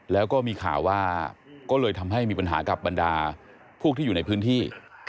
แล้วก็มีข่าวว่าก็เลยทำให้มีปัญหากับบรรดาผู้ที่อยู่ในพื้นที่